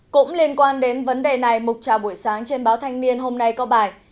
cũng liên quan đến vấn đề này mục trào buổi sáng trên báo thanh niên hôm nay có bài